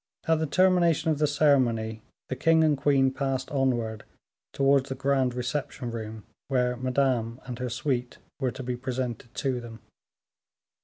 At the termination of the ceremony, the king and queen passed onward towards the grand reception room, where Madame and her suite were to be presented to them.